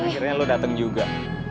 akhirnya lo dateng juga